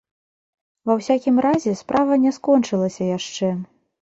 Ва ўсякім разе справа не скончылася яшчэ.